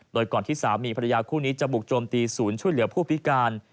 โดยก่อนที่สามีภรรยาคู่นี้จะบุกโจมตีศูนย์ช่วยเหลือผู้พิการ